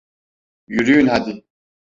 Yürüyün hadi!